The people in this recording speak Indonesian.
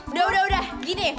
udah udah udah gini